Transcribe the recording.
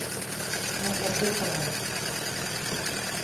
ฆ่าฟันไม่ตาย